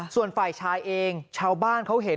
ส่วนฝ่ายชายเองชาวบ้านเขาเห็น